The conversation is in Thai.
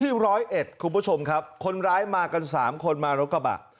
ที่๑๐๑คุณผู้ชมครับคนร้ายมากัน๓คนมารกบัก